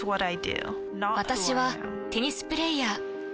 私はテニスプレイヤー。